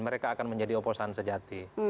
mereka akan menjadi oposan sejati